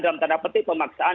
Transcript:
dalam tanda petik pemaksaan